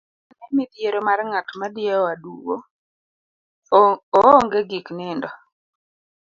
parane midhiero mar ng'at madiewo aduwo, oonge gik nindo,